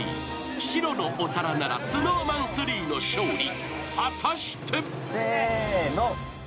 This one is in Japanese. ［白のお皿ならＳｎｏｗＭａｎ３の勝利］